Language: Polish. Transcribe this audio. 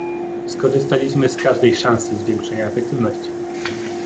Skorzystaliśmy z każdej szansy zwiększenia efektywności